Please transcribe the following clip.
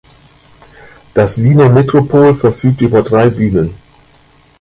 Das Wiener Metropol verfügt über drei Bühnen.